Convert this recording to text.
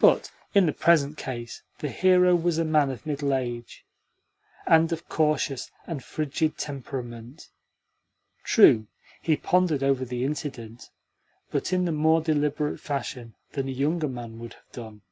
But in the present case the hero was a man of middle age, and of cautious and frigid temperament. True, he pondered over the incident, but in more deliberate fashion than a younger man would have done.